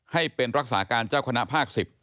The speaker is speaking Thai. ให้เป็นรักษาการเจ้าคณะภาค๑๐